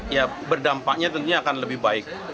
ya berdampaknya tentunya akan lebih baik